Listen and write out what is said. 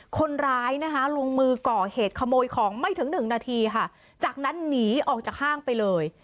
คนร้ายนะคะลงมือก่อเหตุขโมยของไม่ถึงหนึ่งนาทีค่ะจากนั้นหนีออกจากห้างไปเลย